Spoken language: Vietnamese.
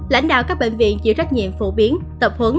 lãnh đạo các bệnh viện chịu trách nhiệm phổ biến tập huấn